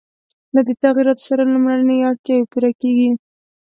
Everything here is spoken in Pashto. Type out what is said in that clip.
له دې تغییراتو سره لومړنۍ اړتیاوې پوره کېږي.